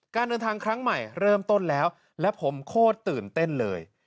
การเดินทางครั้งใหม่เริ่มต้นแล้วและผมโคตรตื่นเต้นเลย